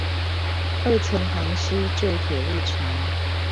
二層行溪舊鐵路橋